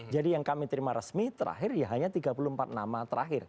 jadi yang kami terima resmi terakhir ya hanya tiga puluh empat nama terakhir